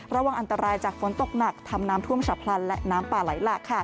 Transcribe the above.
ระวังอันตรายจากฝนตกหนักทำน้ำท่วมฉับพลันและน้ำป่าไหลหลาก